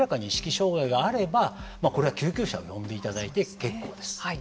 障害があればこれは救急車を呼んでいただいて結構です。